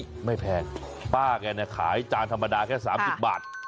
อุ๊ยไม่แพงป้าแกขายจานธรรมดาแค่๓๐บาท